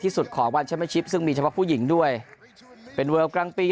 สุดของวันแชมเป็นชิปซึ่งมีเฉพาะผู้หญิงด้วยเป็นเวลกลางปี